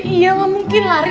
iya gak mungkin lah ri